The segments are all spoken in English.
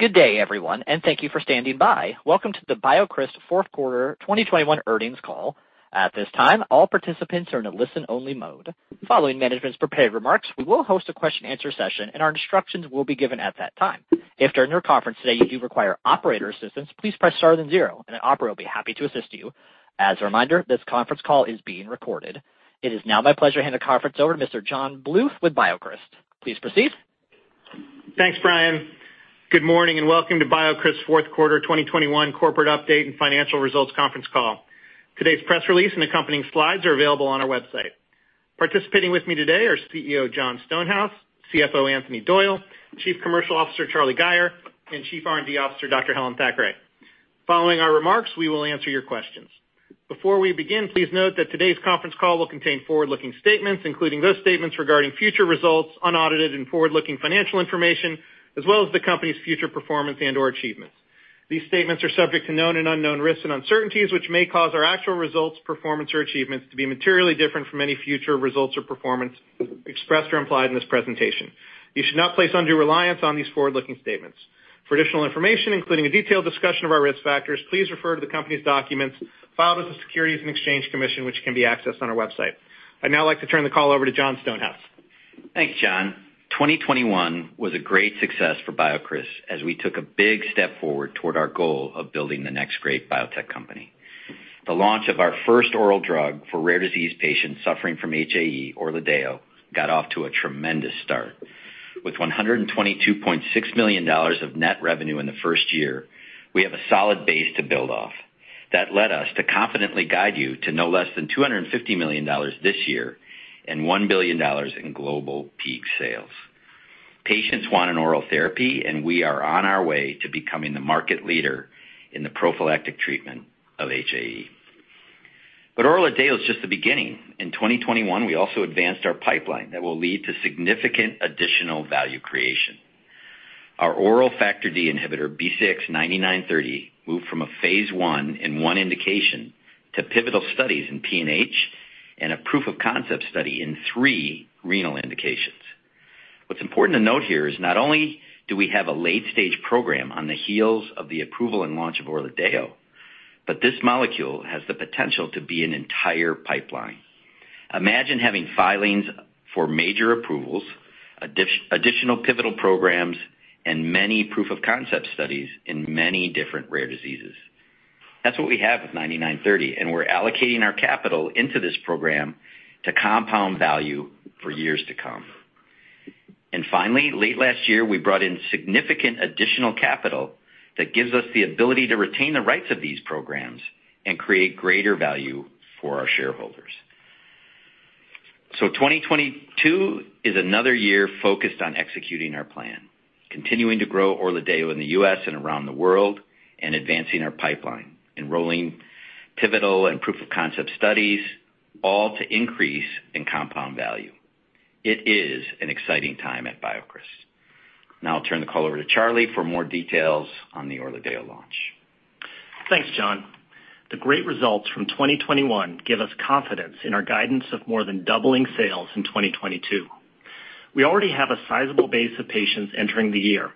Good day, everyone, and thank you for standing by. Welcome to the BioCryst Q4 2021 earnings call. At this time, all participants are in a listen-only mode. Following management's prepared remarks, we will host a question-and-answer session and our instructions will be given at that time. If during your conference today you do require operator assistance, please press star then zero and an operator will be happy to assist you. As a reminder, this conference call is being recorded. It is now my pleasure to hand the conference over to Mr. John Bluth with BioCryst. Please proceed. Thanks, Brian. Good morning and welcome to BioCryst Q4 2021 corporate update and financial results conference call. Today's press release and accompanying slides are available on our website. Participating with me today are CEO Jon Stonehouse, CFO Anthony Doyle, Chief Commercial Officer Charlie Gayer, and Chief R&D Officer Dr. Helen Thackray. Following our remarks, we will answer your questions. Before we begin, please note that today's conference call will contain forward-looking statements, including those statements regarding future results, unaudited and forward-looking financial information, as well as the company's future performance and or achievements. These statements are subject to known and unknown risks and uncertainties, which may cause our actual results, performance or achievements to be materially different from any future results or performance expressed or implied in this presentation. You should not place undue reliance on these forward-looking statements. For additional information, including a detailed discussion of our risk factors, please refer to the company's documents filed with the Securities and Exchange Commission, which can be accessed on our website. I'd now like to turn the call over to Jon Stonehouse. Thanks, John. 2021 was a great success for BioCryst as we took a big step forward toward our goal of building the next great biotech company. The launch of our first oral drug for rare disease patients suffering from HAE, ORLADEYO, got off to a tremendous start. With $122.6 million of net revenue in the first year, we have a solid base to build off. That led us to confidently guide you to no less than $250 million this year and $1 billion in global peak sales. Patients want an oral therapy, and we are on our way to becoming the market leader in the prophylactic treatment of HAE. ORLADEYO is just the beginning. In 2021, we also advanced our pipeline that will lead to significant additional value creation. Our oral Factor D inhibitor, BCX9930, moved from a phase I in one indication to pivotal studies in PNH and a proof of concept study in three renal indications. What's important to note here is not only do we have a late stage program on the heels of the approval and launch of ORLADEYO, but this molecule has the potential to be an entire pipeline. Imagine having filings for major approvals, additional pivotal programs, and many proof of concept studies in many different rare diseases. That's what we have with 9930, and we're allocating our capital into this program to compound value for years to come. Finally, late last year, we brought in significant additional capital that gives us the ability to retain the rights of these programs and create greater value for our shareholders. 2022 is another year focused on executing our plan, continuing to grow ORLADEYO in the U.S. and around the world, and advancing our pipeline, enrolling pivotal and proof of concept studies, all to increase in compound value. It is an exciting time at BioCryst. Now I'll turn the call over to Charlie for more details on the ORLADEYO launch. Thanks, Jon. The great results from 2021 give us confidence in our guidance of more than doubling sales in 2022. We already have a sizable base of patients entering the year,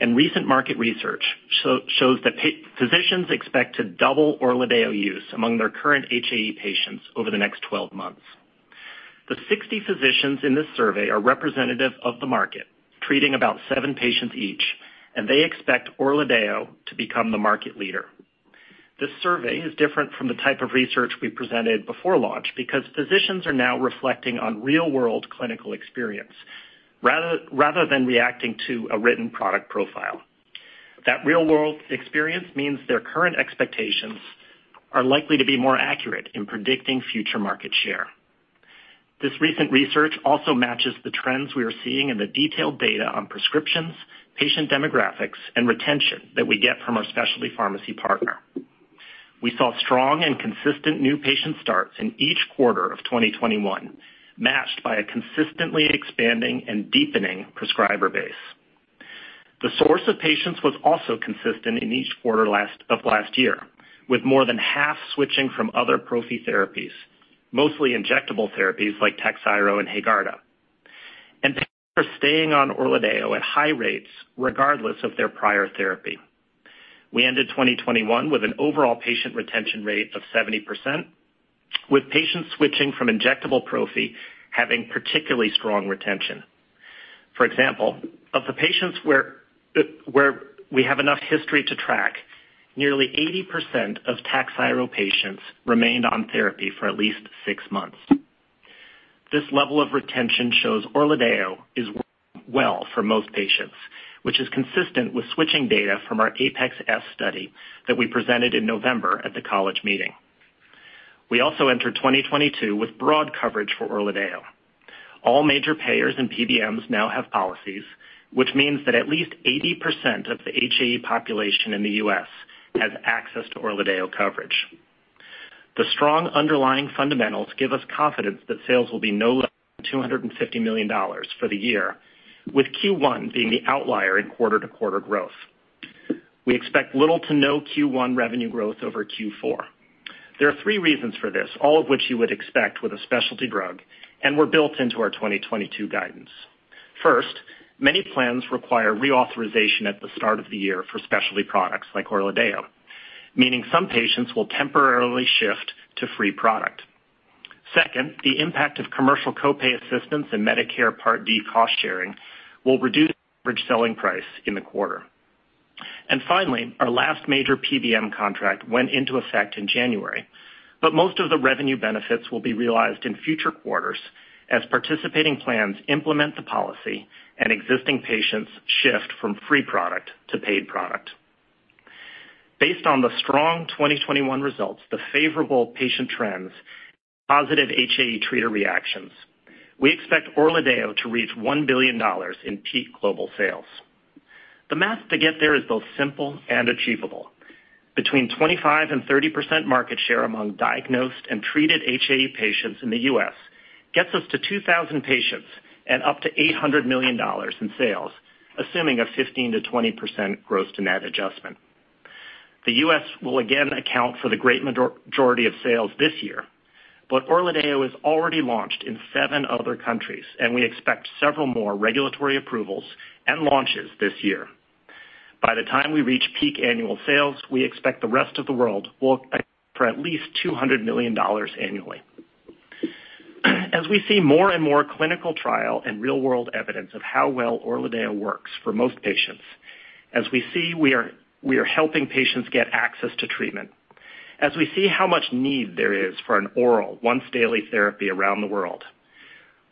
and recent market research shows that physicians expect to double ORLADEYO use among their current HAE patients over the next 12 months. The 60 physicians in this survey are representative of the market, treating about 7 patients each, and they expect ORLADEYO to become the market leader. This survey is different from the type of research we presented before launch because physicians are now reflecting on real-world clinical experience rather than reacting to a written product profile. That real-world experience means their current expectations are likely to be more accurate in predicting future market share. This recent research also matches the trends we are seeing in the detailed data on prescriptions, patient demographics and retention that we get from our specialty pharmacy partner. We saw strong and consistent new patient starts in each quarter of 2021, matched by a consistently expanding and deepening prescriber base. The source of patients was also consistent in each quarter of last year, with more than half switching from other prophy therapies, mostly injectable therapies like Takhzyro and Haegarda. Patients are staying on ORLADEYO at high rates regardless of their prior therapy. We ended 2021 with an overall patient retention rate of 70%, with patients switching from injectable prophy having particularly strong retention. For example, of the patients where we have enough history to track, nearly 80% of Takhzyro patients remained on therapy for at least six months. This level of retention shows ORLADEYO is working well for most patients, which is consistent with switching data from our APeX-S study that we presented in November at the college meeting. We also entered 2022 with broad coverage for ORLADEYO. All major payers and PBMs now have policies, which means that at least 80% of the HAE population in the U.S. has access to ORLADEYO coverage. The strong underlying fundamentals give us confidence that sales will be no less than $250 million for the year, with Q1 being the outlier in quarter-to-quarter growth. We expect little to no Q1 revenue growth over Q4. There are three reasons for this, all of which you would expect with a specialty drug and were built into our 2022 guidance. First, many plans require reauthorization at the start of the year for specialty products like ORLADEYO, meaning some patients will temporarily shift to free product. Second, the impact of commercial co-pay assistance and Medicare Part D cost sharing will reduce average selling price in the quarter. Finally, our last major PBM contract went into effect in January, but most of the revenue benefits will be realized in future quarters as participating plans implement the policy and existing patients shift from free product to paid product. Based on the strong 2021 results, the favorable patient trends, positive HAE treater reactions, we expect ORLADEYO to reach $1 billion in peak global sales. The math to get there is both simple and achievable. Between 25%-30% market share among diagnosed and treated HAE patients in the U.S. gets us to 2,000 patients and up to $800 million in sales, assuming a 15%-20% gross to net adjustment. The U.S. will again account for the great majority of sales this year, but ORLADEYO is already launched in 7 other countries, and we expect several more regulatory approvals and launches this year. By the time we reach peak annual sales, we expect the rest of the world will account for at least $200 million annually. As we see more and more clinical trial and real-world evidence of how well ORLADEYO works for most patients, as we see we are helping patients get access to treatment, as we see how much need there is for an oral once daily therapy around the world,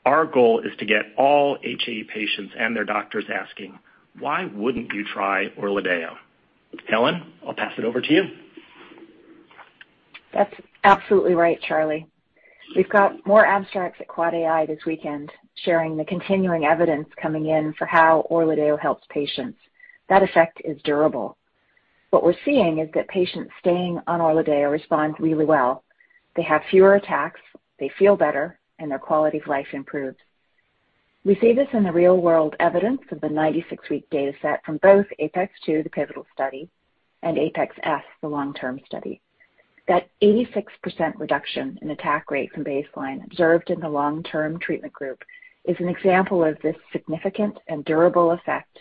our goal is to get all HAE patients and their doctors asking, "Why wouldn't you try ORLADEYO?" Helen, I'll pass it over to you. That's absolutely right, Charlie. We've got more abstracts at AAAAI this weekend, sharing the continuing evidence coming in for how ORLADEYO helps patients. That effect is durable. What we're seeing is that patients staying on ORLADEYO respond really well. They have fewer attacks, they feel better, and their quality of life improves. We see this in the real-world evidence of the 96-week data set from both APeX-2, the pivotal study, and APeX-S, the long-term study. That 86% reduction in attack rate from baseline observed in the long-term treatment group is an example of this significant and durable effect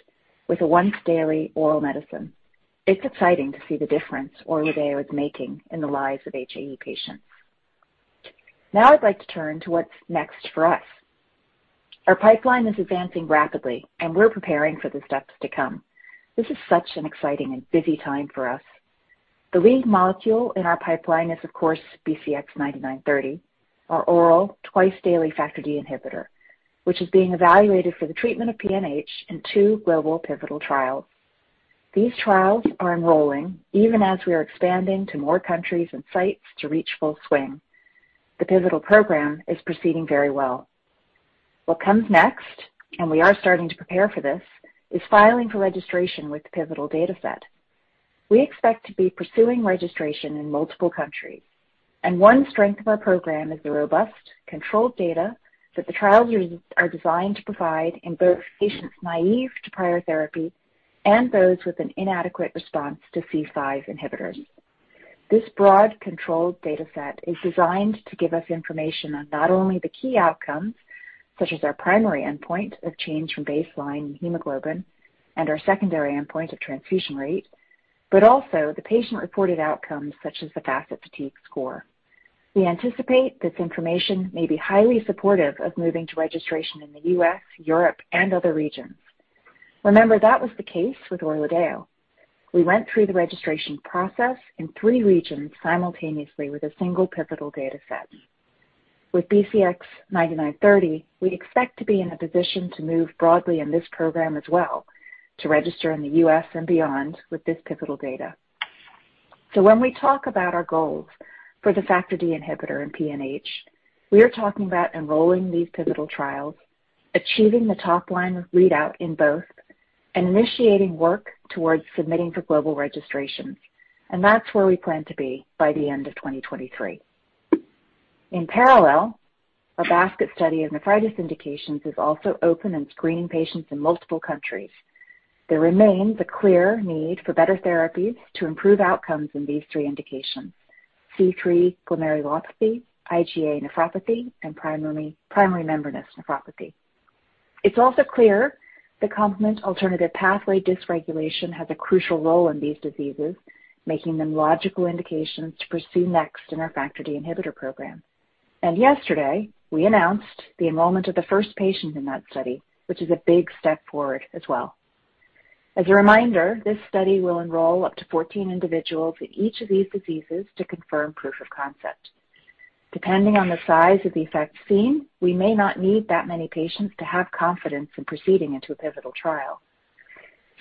with a once daily oral medicine. It's exciting to see the difference ORLADEYO is making in the lives of HAE patients. Now I'd like to turn to what's next for us. Our pipeline is advancing rapidly, and we're preparing for the steps to come. This is such an exciting and busy time for us. The lead molecule in our pipeline is, of course, BCX9930, our oral twice-daily Factor D inhibitor, which is being evaluated for the treatment of PNH in 2 global pivotal trials. These trials are enrolling even as we are expanding to more countries and sites to reach full swing. The pivotal program is proceeding very well. What comes next, and we are starting to prepare for this, is filing for registration with the pivotal data set. We expect to be pursuing registration in multiple countries, and one strength of our program is the robust, controlled data that the trials are designed to provide in both patients naive to prior therapy and those with an inadequate response to C5 inhibitors. This broad controlled data set is designed to give us information on not only the key outcomes, such as our primary endpoint of change from baseline in hemoglobin and our secondary endpoint of transfusion rate, but also the patient-reported outcomes such as the FACIT-Fatigue score. We anticipate this information may be highly supportive of moving to registration in the U.S., Europe, and other regions. Remember, that was the case with ORLADEYO. We went through the registration process in three regions simultaneously with a single pivotal data set. With BCX9930, we expect to be in a position to move broadly in this program as well to register in the U.S. and beyond with this pivotal data. When we talk about our goals for the Factor D inhibitor in PNH, we are talking about enrolling these pivotal trials, achieving the top line of readout in both, and initiating work towards submitting for global registrations. That's where we plan to be by the end of 2023. In parallel, our basket study of nephritis indications is also open and screening patients in multiple countries. There remains a clear need for better therapies to improve outcomes in these three indications: C3 glomerulopathy, IgA nephropathy, and primary membranous nephropathy. It's also clear that complement alternative pathway dysregulation has a crucial role in these diseases, making them logical indications to pursue next in our Factor D inhibitor program. Yesterday, we announced the enrollment of the first patient in that study, which is a big step forward as well. As a reminder, this study will enroll up to 14 individuals in each of these diseases to confirm proof of concept. Depending on the size of the effect seen, we may not need that many patients to have confidence in proceeding into a pivotal trial.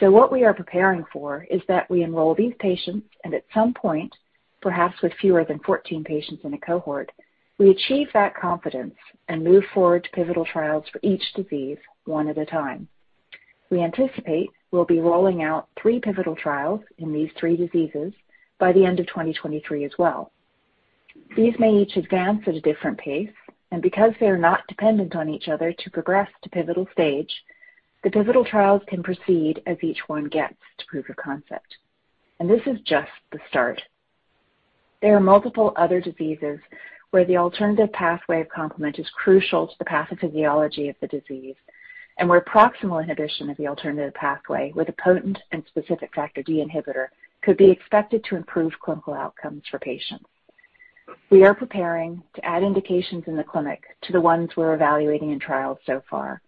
What we are preparing for is that we enroll these patients, and at some point, perhaps with fewer than 14 patients in a cohort, we achieve that confidence and move forward to pivotal trials for each disease one at a time. We anticipate we'll be rolling out 3 pivotal trials in these 3 diseases by the end of 2023 as well. These may each advance at a different pace, and because they are not dependent on each other to progress to pivotal stage, the pivotal trials can proceed as each one gets to proof of concept. This is just the start. There are multiple other diseases where the alternative pathway of complement is crucial to the pathophysiology of the disease, and where proximal inhibition of the alternative pathway with a potent and specific Factor D inhibitor could be expected to improve clinical outcomes for patients. We are preparing to add indications in the clinic to the ones we're evaluating in trials so far.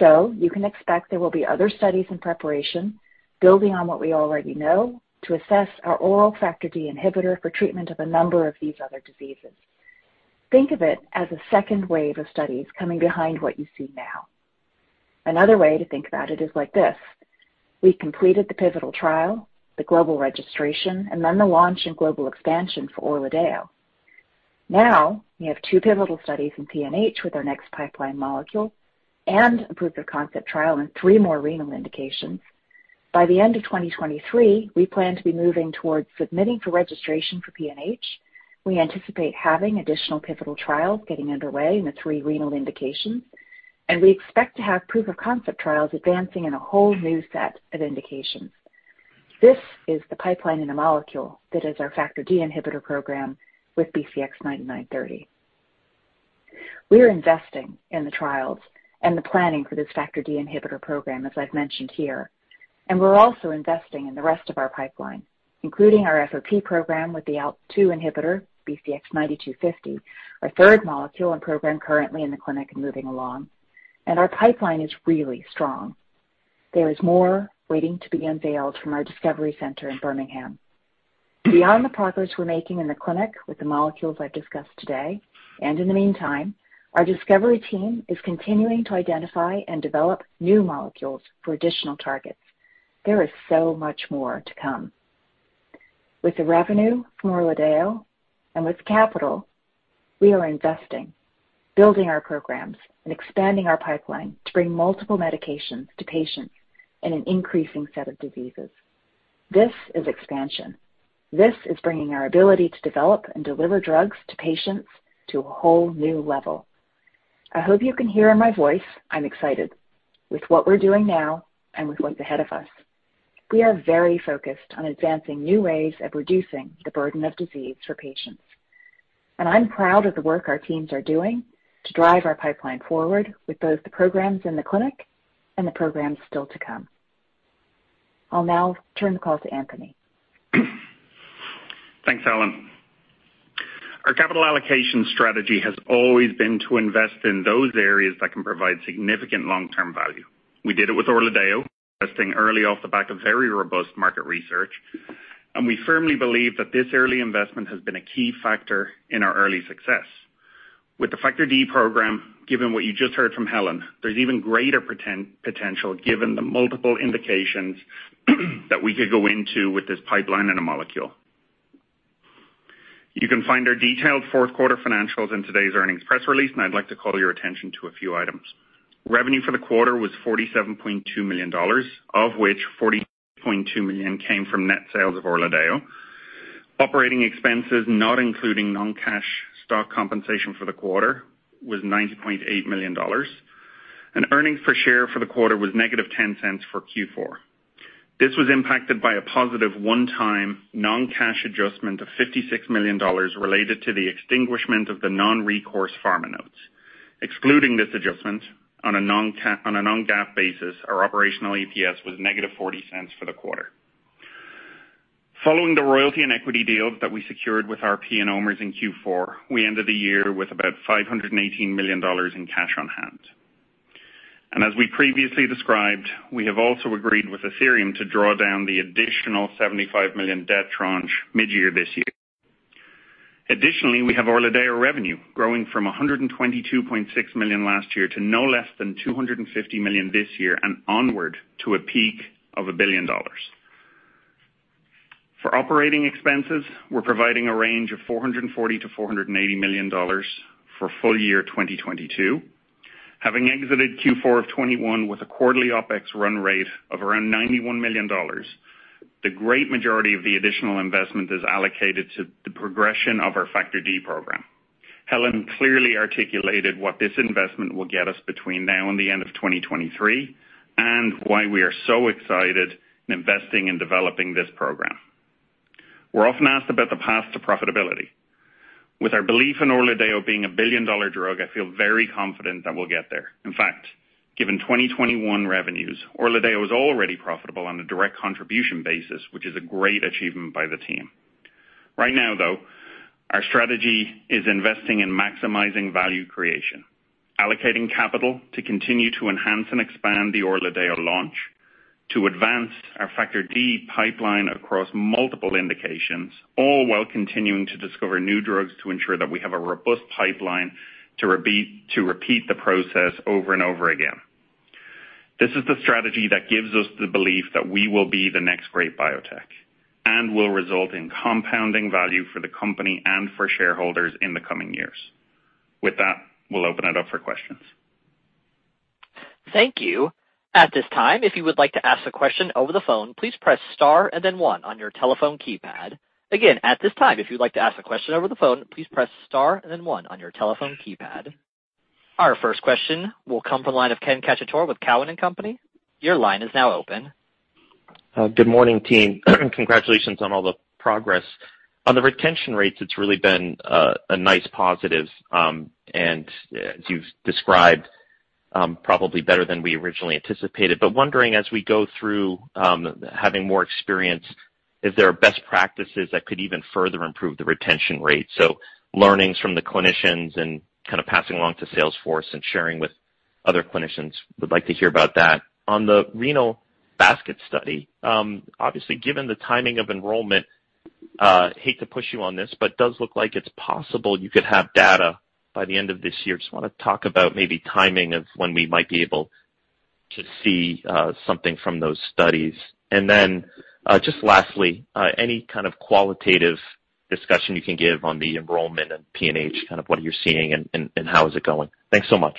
You can expect there will be other studies in preparation building on what we already know to assess our oral Factor D inhibitor for treatment of a number of these other diseases. Think of it as a second wave of studies coming behind what you see now. Another way to think about it is like this. We completed the pivotal trial, the global registration, and then the launch and global expansion for ORLADEYO. Now we have 2 pivotal studies in PNH with our next pipeline molecule and a proof of concept trial in 3 more renal indications. By the end of 2023, we plan to be moving towards submitting for registration for PNH. We anticipate having additional pivotal trials getting underway in the 3 renal indications, and we expect to have proof of concept trials advancing in a whole new set of indications. This is the pipeline in a molecule that is our Factor D inhibitor program with BCX9930. We are investing in the trials and the planning for this Factor D inhibitor program, as I've mentioned here. We're also investing in the rest of our pipeline, including our FOP program with the ALK-2 inhibitor, BCX9250, our third molecule and program currently in the clinic and moving along. Our pipeline is really strong. There is more waiting to be unveiled from our discovery center in Birmingham. Beyond the progress we're making in the clinic with the molecules I've discussed today, and in the meantime, our discovery team is continuing to identify and develop new molecules for additional targets. There is so much more to come. With the revenue from ORLADEYO and with capital, we are investing, building our programs and expanding our pipeline to bring multiple medications to patients in an increasing set of diseases. This is expansion. This is bringing our ability to develop and deliver drugs to patients to a whole new level. I hope you can hear in my voice I'm excited with what we're doing now and with what's ahead of us. We are very focused on advancing new ways of reducing the burden of disease for patients, and I'm proud of the work our teams are doing to drive our pipeline forward with both the programs in the clinic and the programs still to come. I'll now turn the call to Anthony. Thanks, Helen. Our capital allocation strategy has always been to invest in those areas that can provide significant long-term value. We did it with ORLADEYO, investing early off the back of very robust market research, and we firmly believe that this early investment has been a key factor in our early success. With the Factor D program, given what you just heard from Helen, there's even greater potential given the multiple indications that we could go into with this pipeline and a molecule. You can find our detailed Q4 financials in today's earnings press release, and I'd like to call your attention to a few items. Revenue for the quarter was $47.2 million, of which $46.2 million came from net sales of ORLADEYO. Operating expenses, not including non-cash stock compensation for the quarter, was $90.8 million. Earnings per share for the quarter was -$0.10 for Q4. This was impacted by a positive one-time non-cash adjustment of $56 million related to the extinguishment of the non-recourse Pharma Notes. Excluding this adjustment, on a non-GAAP basis, our operational EPS was -$0.40 for the quarter. Following the royalty and equity deals that we secured with RP and OMERS in Q4, we ended the year with about $518 million in cash on hand. As we previously described, we have also agreed with Athyrium to draw down the additional $75 million debt tranche mid-year this year. Additionally, we have ORLADEYO revenue growing from $122.6 million last year to no less than $250 million this year and onward to a peak of $1 billion. For operating expenses, we're providing a range of $440 million-$480 million for full year 2022. Having exited Q4 of 2021 with a quarterly OpEx run rate of around $91 million, the great majority of the additional investment is allocated to the progression of our Factor D program. Helen clearly articulated what this investment will get us between now and the end of 2023, and why we are so excited in investing in developing this program. We're often asked about the path to profitability. With our belief in ORLADEYO being a billion-dollar drug, I feel very confident that we'll get there. In fact, given 2021 revenues, ORLADEYO is already profitable on a direct contribution basis, which is a great achievement by the team. Right now, though, our strategy is investing in maximizing value creation, allocating capital to continue to enhance and expand the ORLADEYO launch, to advance our Factor D pipeline across multiple indications, all while continuing to discover new drugs to ensure that we have a robust pipeline to repeat the process over and over again. This is the strategy that gives us the belief that we will be the next great biotech and will result in compounding value for the company and for shareholders in the coming years. With that, we'll open it up for questions. Thank you. At this time, if you would like to ask a question over the phone, please press star and then one on your telephone keypad. Again, at this time, if you'd like to ask a question over the phone, please press star and then one on your telephone keypad. Our first question will come from the line of Ken Cacciatore with Cowen and Company. Your line is now open. Good morning, team. Congratulations on all the progress. On the retention rates, it's really been a nice positive, and as you've described, probably better than we originally anticipated. Wondering as we go through having more experience, is there best practices that could even further improve the retention rate? Learnings from the clinicians and kinda passing along to sales force and sharing with other clinicians, would like to hear about that. On the renal basket study, obviously, given the timing of enrollment, hate to push you on this, but does look like it's possible you could have data by the end of this year. Just wanna talk about maybe timing of when we might be able to see something from those studies. Then, just lastly, any kind of qualitative discussion you can give on the enrollment and PNH, kind of what you're seeing and how is it going? Thanks so much.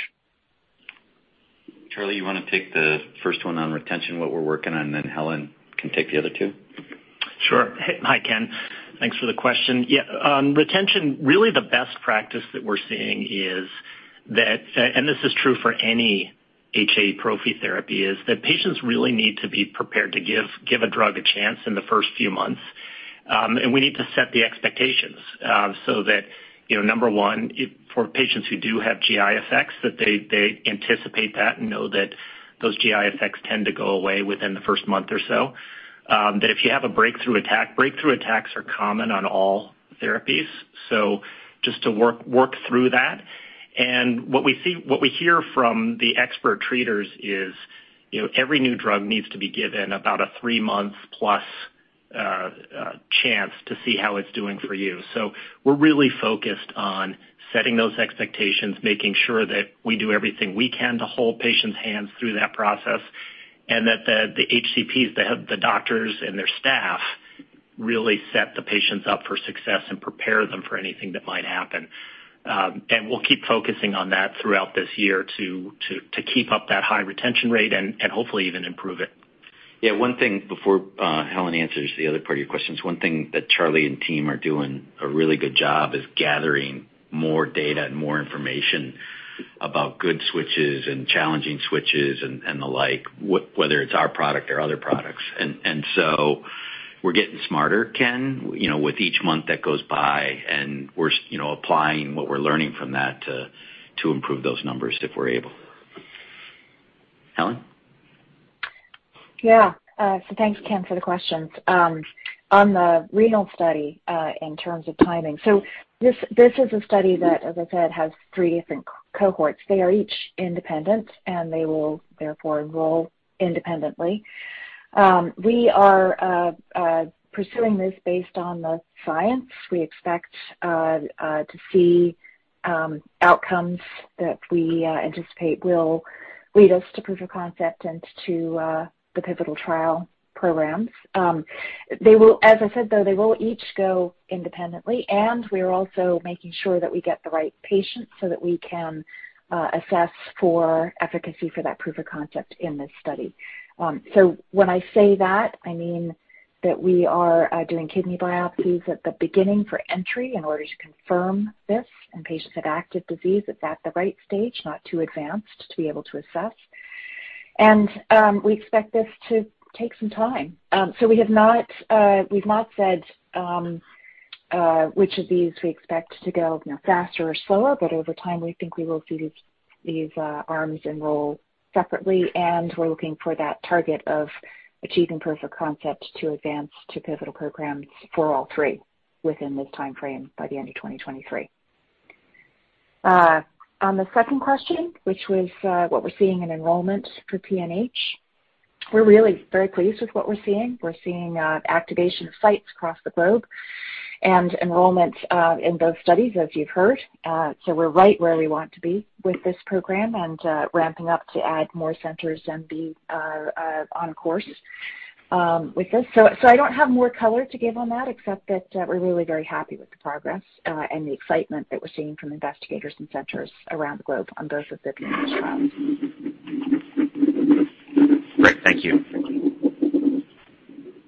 Charlie, you wanna take the first one on retention, what we're working on, and then Helen can take the other two? Sure. Hey. Hi, Ken. Thanks for the question. Yeah, retention, really the best practice that we're seeing is that, and this is true for any HA prophy therapy, is that patients really need to be prepared to give a drug a chance in the first few months. And we need to set the expectations, so that, you know, number one, for patients who do have GI effects, that they anticipate that and know that those GI effects tend to go away within the first month or so. That if you have a breakthrough attack, breakthrough attacks are common on all therapies, so just to work through that. What we hear from the expert treaters is, you know, every new drug needs to be given about a three-month plus chance to see how it's doing for you. We're really focused on setting those expectations, making sure that we do everything we can to hold patients' hands through that process, and that the HCPs, the doctors and their staff really set the patients up for success and prepare them for anything that might happen. We'll keep focusing on that throughout this year to keep up that high retention rate and hopefully even improve it. Yeah, one thing before Helen answers the other part of your questions, one thing that Charlie and team are doing a really good job is gathering more data and more information about good switches and challenging switches and the like, whether it's our product or other products. So we're getting smarter, Ken, you know, with each month that goes by, and we're you know, applying what we're learning from that to improve those numbers if we're able. Helen? Thanks, Ken, for the questions. On the renal study, in terms of timing, this is a study that, as I said, has three different cohorts. They are each independent, and they will therefore enroll independently. We are pursuing this based on the science. We expect to see outcomes that we anticipate will lead us to proof of concept and to the pivotal trial programs. As I said, though, they will each go independently, and we're also making sure that we get the right patients so that we can assess for efficacy for that proof of concept in this study. When I say that, I mean that we are doing kidney biopsies at the beginning for entry in order to confirm this in patients with active disease. It's at the right stage, not too advanced to be able to assess. We expect this to take some time. We have not said which of these we expect to go, you know, faster or slower, but over time, we think we will see these arms enroll separately, and we're looking for that target of achieving proof of concept to advance to pivotal programs for all three within this timeframe by the end of 2023. On the second question, which was what we're seeing in enrollment for PNH, we're really very pleased with what we're seeing. We're seeing activation of sites across the globe and enrollment in those studies, as you've heard. We're right where we want to be with this program and ramping up to add more centers and be on course with this. I don't have more color to give on that, except that we're really very happy with the progress and the excitement that we're seeing from investigators and centers around the globe on both of the PNH trials. Great. Thank you.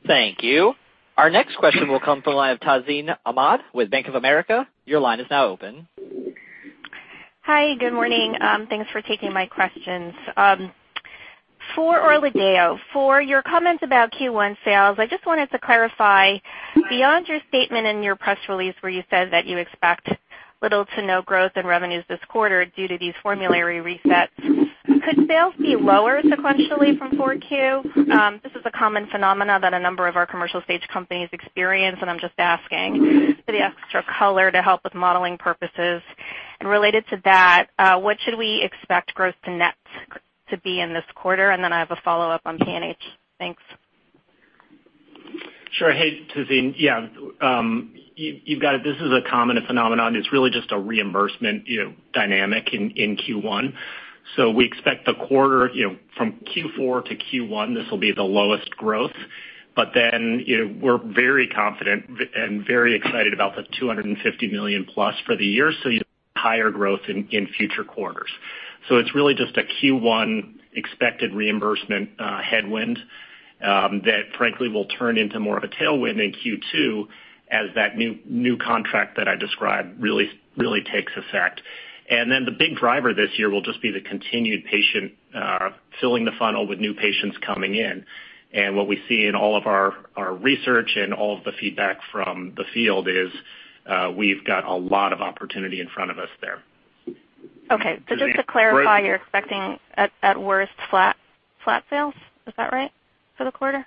Thank you. Our next question will come from the line of Tazeen Ahmad with Bank of America. Your line is now open. Hi, good morning. Thanks for taking my questions. For ORLADEYO, for your comments about Q1 sales, I just wanted to clarify, beyond your statement in your press release where you said that you expect little to no growth in revenues this quarter due to these formulary resets, could sales be lower sequentially from Q4? This is a common phenomenon that a number of our commercial stage companies experience, and I'm just asking for the extra color to help with modeling purposes. Related to that, what should we expect growth to net to be in this quarter? I have a follow-up on PNH. Thanks. Sure. Hey, Tazeen. Yeah. You've got it. This is a common phenomenon. It's really just a reimbursement, you know, dynamic in Q1. We expect the quarter, you know, from Q4 to Q1. This will be the lowest growth. But then, you know, we're very confident and very excited about the $250 million plus for the year, so you'll see higher growth in future quarters. It's really just a Q1 expected reimbursement headwind. That frankly will turn into more of a tailwind in Q2 as that new contract that I described really takes effect. Then the big driver this year will just be the continued patient filling the funnel with new patients coming in. What we see in all of our research and all of the feedback from the field is we've got a lot of opportunity in front of us there. Okay. So the- Just to clarify, you're expecting at worst, flat sales? Is that right for the quarter?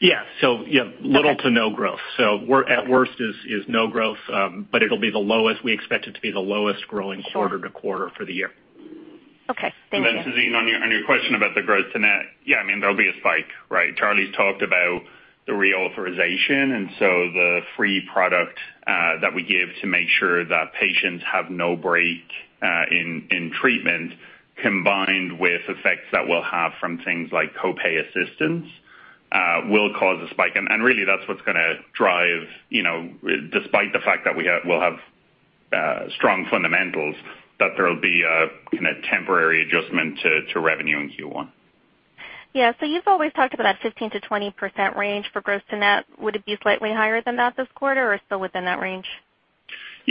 Yeah. Yeah, little to no growth. We're at worst, it's no growth. We expect it to be the lowest growing quarter-to-quarter for the year. Okay. Thank you. Tazeen, on your question about the growth to net, yeah, I mean, there'll be a spike, right? Charlie's talked about the reauthorization, and so the free product that we give to make sure that patients have no break in treatment combined with effects that we'll have from things like co-pay assistance will cause a spike. Really, that's what's gonna drive, you know, despite the fact that we'll have strong fundamentals, that there'll be a kinda temporary adjustment to revenue in Q1. Yeah. You've always talked about 15%-20% range for gross to net. Would it be slightly higher than that this quarter or still within that range? Yeah.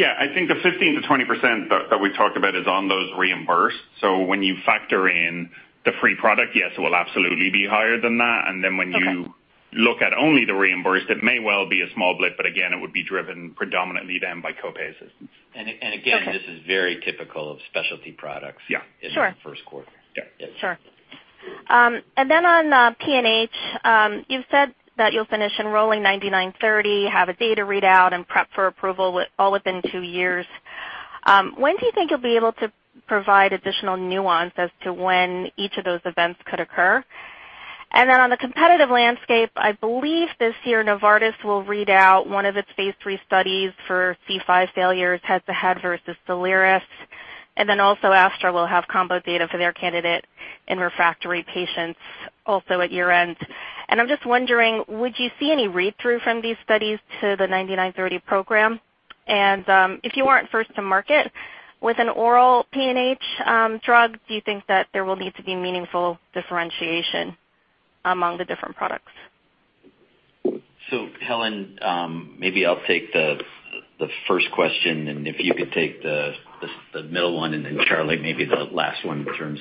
I think the 15%-20% that we talked about is on those reimbursed. When you factor in the free product, yes, it will absolutely be higher than that. Okay. When you look at only the reimbursed, it may well be a small blip, but again, it would be driven predominantly then by co-pay assistance. And and again- Okay This is very typical of specialty products. Yeah. Sure In the Q1. Yeah. Yes. Sure. On PNH, you've said that you'll finish enrolling BCX9930, have a data readout, and prep for approval with all within two years. When do you think you'll be able to provide additional nuance as to when each of those events could occur? On the competitive landscape, I believe this year Novartis will read out one of its phase III studies for C5 failures head-to-head versus Soliris. AstraZeneca will have combo data for their candidate in refractory patients also at year-end. I'm just wondering, would you see any read-through from these studies to the BCX9930 program? If you weren't first to market with an oral PNH drug, do you think that there will need to be meaningful differentiation among the different products? Helen, maybe I'll take the first question, and if you could take the middle one, and then Charlie, maybe the last one in terms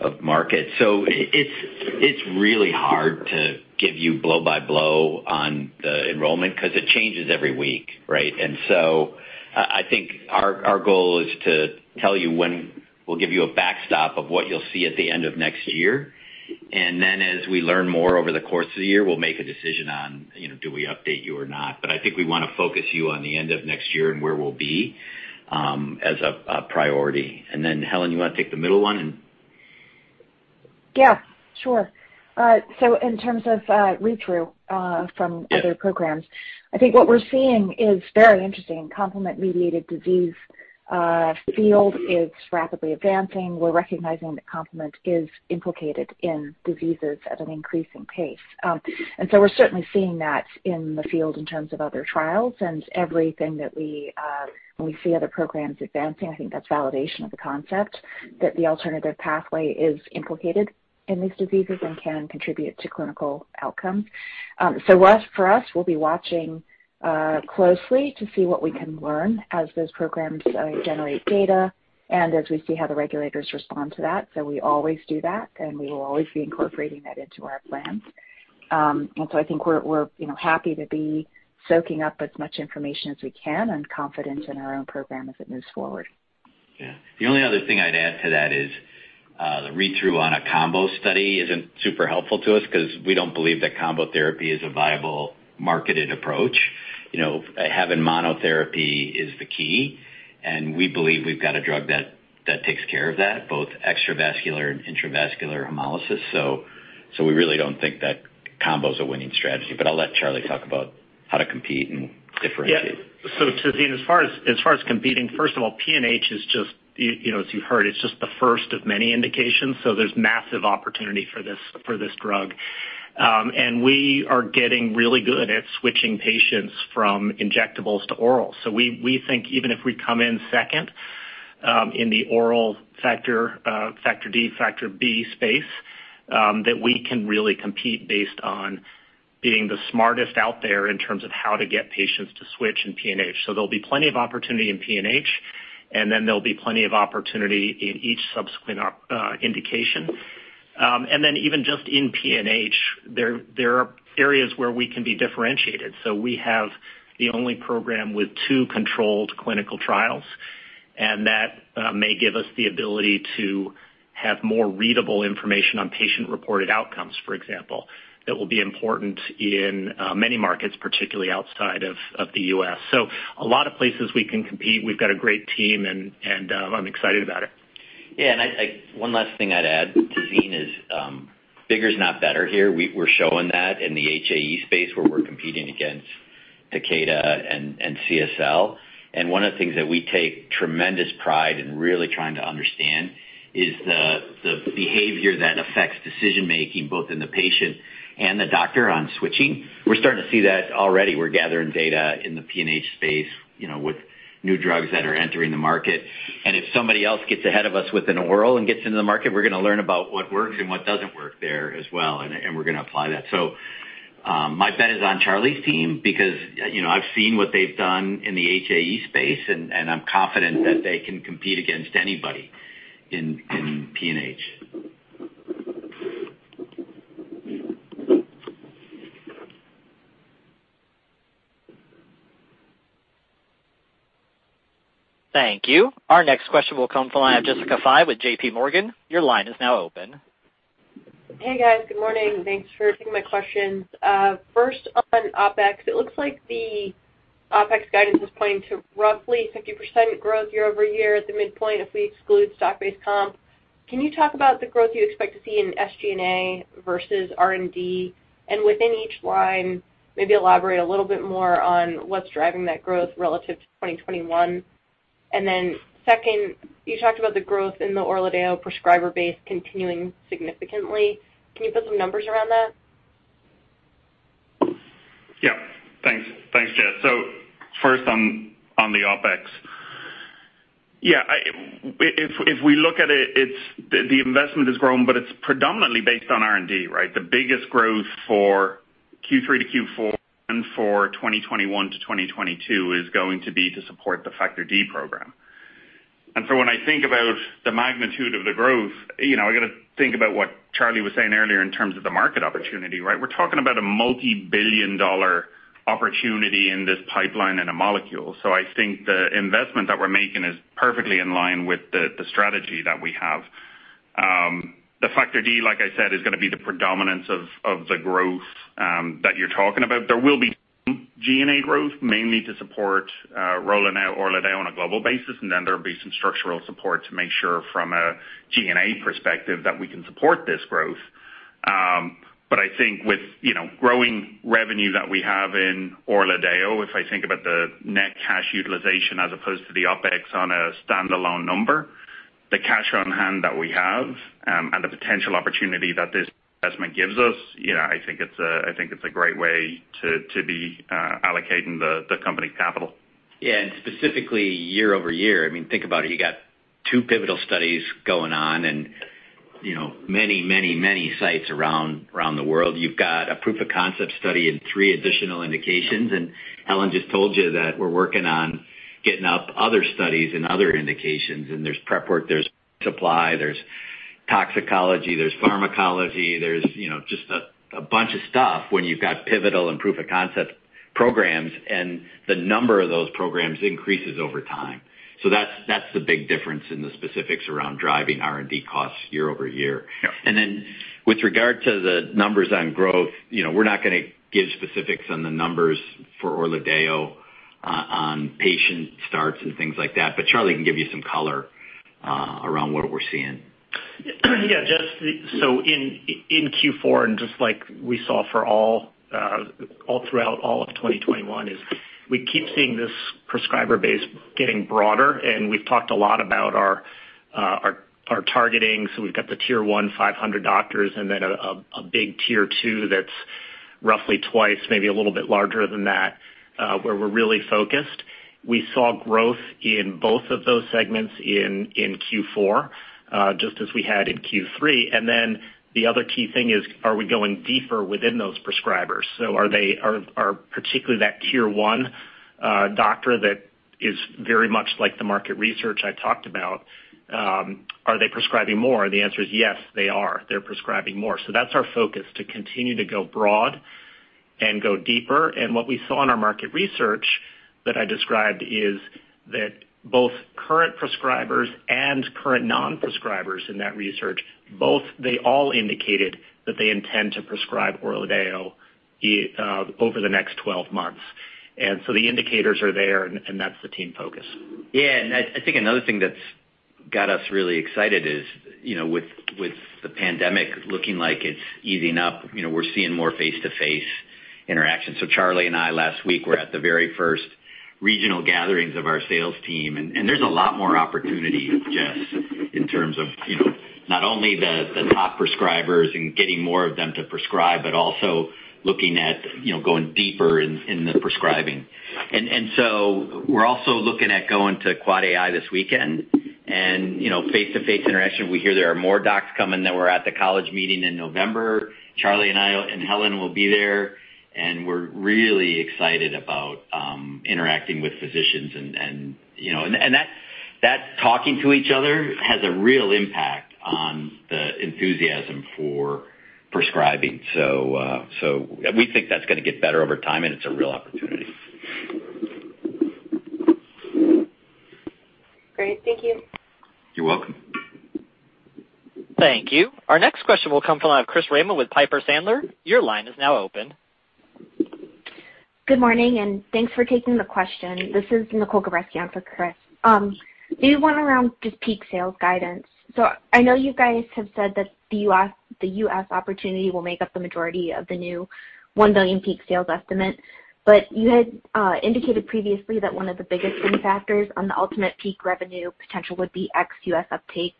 of market. It's really hard to give you blow by blow on the enrollment 'cause it changes every week, right? I think our goal is to tell you when we'll give you a backstop of what you'll see at the end of next year. As we learn more over the course of the year, we'll make a decision on, you know, do we update you or not. I think we wanna focus you on the end of next year and where we'll be, as a priority. Helen, you wanna take the middle one and... Yeah, sure. In terms of read-through from other programs, I think what we're seeing is very interesting. Complement-mediated disease field is rapidly advancing. We're recognizing that complement is implicated in diseases at an increasing pace. We're certainly seeing that in the field in terms of other trials and everything that we, when we see other programs advancing, I think that's validation of the concept that the alternative pathway is implicated in these diseases and can contribute to clinical outcomes. For us, we'll be watching closely to see what we can learn as those programs generate data and as we see how the regulators respond to that. We always do that, and we will always be incorporating that into our plans. I think we're, you know, happy to be soaking up as much information as we can and confident in our own program as it moves forward. Yeah. The only other thing I'd add to that is, the read-through on a combo study isn't super helpful to us 'cause we don't believe that combo therapy is a viable marketed approach. You know, having monotherapy is the key, and we believe we've got a drug that takes care of that, both extravascular and intravascular hemolysis. We really don't think that combo's a winning strategy. I'll let Charlie talk about how to compete and differentiate. Yeah. Tazeen, as far as competing, first of all, PNH is just you know, as you've heard, it's just the first of many indications, so there's massive opportunity for this drug. We are getting really good at switching patients from injectables to oral. We think even if we come in second in the oral Factor D, Factor B space that we can really compete based on being the smartest out there in terms of how to get patients to switch in PNH. There'll be plenty of opportunity in PNH, and then there'll be plenty of opportunity in each subsequent indication. Even just in PNH, there are areas where we can be differentiated. We have the only program with two controlled clinical trials, and that may give us the ability to have more readable information on patient-reported outcomes, for example, that will be important in many markets, particularly outside of the U.S. A lot of places we can compete. We've got a great team and I'm excited about it. One last thing I'd add, Tazeen, is bigger is not better here. We're showing that in the HAE space where we're competing against Takeda and CSL. One of the things that we take tremendous pride in really trying to understand is the behavior that affects decision-making, both in the patient and the doctor on switching. We're starting to see that already. We're gathering data in the PNH space, you know, with new drugs that are entering the market. If somebody else gets ahead of us with an oral and gets into the market, we're gonna learn about what works and what doesn't work there as well, and we're gonna apply that. My bet is on Charlie's team because you know, I've seen what they've done in the HAE space, and I'm confident that they can compete against anybody in PNH. Thank you. Our next question will come from the line of Jessica Fye with JPMorgan. Your line is now open. Hey, guys. Good morning. Thanks for taking my questions. First on OpEx, it looks like the OpEx guidance is pointing to roughly 50% growth year-over-year at the midpoint if we exclude stock-based comp. Can you talk about the growth you expect to see in SG&A versus R&D? Within each line, maybe elaborate a little bit more on what's driving that growth relative to 2021. Second, you talked about the growth in the ORLADEYO prescriber base continuing significantly. Can you put some numbers around that? Thanks. Thanks, Jess. First on the OpEx. If we look at it's the investment has grown, but it's predominantly based on R&D, right? The biggest growth for Q3 to Q4 and for 2021 to 2022 is going to be to support the Factor D program. When I think about the magnitude of the growth, you know, I gotta think about what Charlie was saying earlier in terms of the market opportunity, right? We're talking about a multi-billion-dollar opportunity in this pipeline and a molecule. I think the investment that we're making is perfectly in line with the strategy that we have. The Factor D, like I said, is gonna be the predominance of the growth that you're talking about. There will be G&A growth, mainly to support rolling out ORLADEYO on a global basis, and then there'll be some structural support to make sure from a G&A perspective that we can support this growth. I think with, you know, growing revenue that we have in ORLADEYO, if I think about the net cash utilization as opposed to the OpEx on a standalone number, the cash on hand that we have, and the potential opportunity that this investment gives us, you know, I think it's a great way to be allocating the company capital. Yeah. Specifically year-over-year, I mean, think about it, you got two pivotal studies going on and, you know, many, many, many sites around the world. You've got a proof of concept study and three additional indications, and Helen just told you that we're working on getting up other studies and other indications. There's prep work, there's supply, there's toxicology, there's pharmacology, there's, you know, just a bunch of stuff when you've got pivotal and proof of concept programs, and the number of those programs increases over time. So that's the big difference in the specifics around driving R&D costs year-over-year. Yeah. With regard to the numbers on growth, you know, we're not gonna give specifics on the numbers for ORLADEYO on patient starts and things like that, but Charlie can give you some color around what we're seeing. In Q4 and just like we saw for all throughout all of 2021, we keep seeing this prescriber base getting broader, and we've talked a lot about our targeting. We've got the tier one 500 doctors and then a big tier two that's roughly twice, maybe a little bit larger than that, where we're really focused. We saw growth in both of those segments in Q4, just as we had in Q3. The other key thing is, are we going deeper within those prescribers? Are they particularly that tier one doctor that is very much like the market research I talked about, are they prescribing more? The answer is yes, they are. They're prescribing more. That's our focus, to continue to go broad and go deeper. What we saw in our market research that I described is that both current prescribers and current non-prescribers in that research, they all indicated that they intend to prescribe ORLADEYO over the next 12 months. The indicators are there, and that's the team focus. Yeah. I think another thing that's got us really excited is, you know, with the pandemic looking like it's easing up, you know, we're seeing more face-to-face interaction. Charlie and I last week were at the very first regional gatherings of our sales team, and there's a lot more opportunity, Jess, in terms of, you know, not only the top prescribers and getting more of them to prescribe, but also looking at, you know, going deeper in the prescribing. We're also looking at going to AAAAI this weekend and, you know, face-to-face interaction. We hear there are more docs coming that were at the college meeting in November. Charlie and I and Helen will be there, and we're really excited about interacting with physicians and, you know, that talking to each other has a real impact on the enthusiasm for prescribing. We think that's gonna get better over time, and it's a real opportunity. Great. Thank you. You're welcome. Thank you. Our next question will come from Chris Raymond with Piper Sandler. Your line is now open. Good morning, and thanks for taking the question. This is Nicole Gabreski in for Chris. Maybe one around just peak sales guidance. I know you guys have said that the U.S., the U.S. opportunity will make up the majority of the new $1 billion peak sales estimate. You had indicated previously that one of the biggest risk factors on the ultimate peak revenue potential would be ex-U.S. uptake.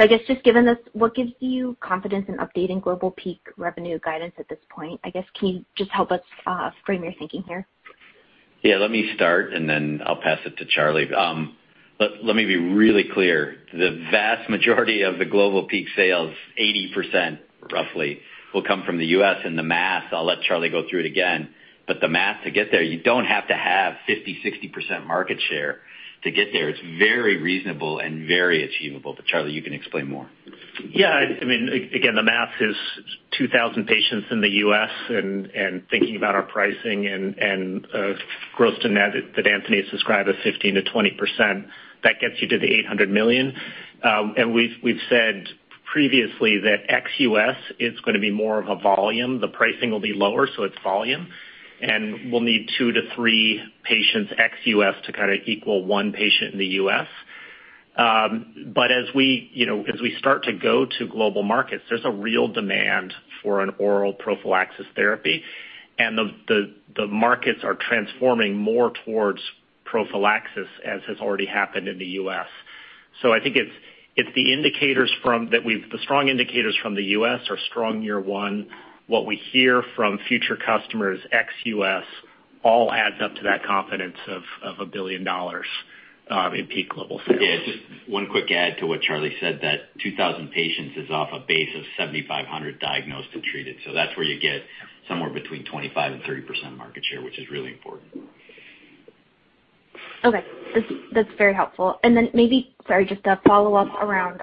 I guess just given this, what gives you confidence in updating global peak revenue guidance at this point? I guess, can you just help us frame your thinking here? Yeah, let me start, and then I'll pass it to Charlie. Let me be really clear. The vast majority of the global peak sales, 80% roughly, will come from the U.S. and the math. I'll let Charlie go through it again. The math to get there, you don't have to have 50%-60% market share to get there. It's very reasonable and very achievable. Charlie, you can explain more. Yeah, I mean, again, the math is 2,000 patients in the U.S. and thinking about our pricing and gross to net that Anthony has described as 15%-20%, that gets you to the $800 million. We've said previously that ex-U.S., it's gonna be more of a volume. The pricing will be lower, so it's volume. We'll need 2-3 patients ex-U.S. to kinda equal 1 patient in the U.S. But as we, you know, as we start to go to global markets, there's a real demand for an oral prophylaxis therapy, and the markets are transforming more towards prophylaxis as has already happened in the U.S. I think the strong indicators from the U.S. are strong year one. What we hear from future customers, ex-U.S., all adds up to that confidence of $1 billion in peak global sales. Yeah, just one quick add to what Charlie said, that 2,000 patients is off a base of 7,500 diagnosed and treated. That's where you get somewhere between 25% and 30% market share, which is really important. Okay. That's very helpful. Maybe, sorry, just a follow-up around